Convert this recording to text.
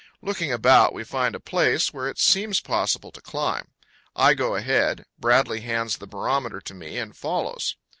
Looking about, we find a place where it seems possible to climb. I go ahead; Bradley hands the barometer to me, and follows.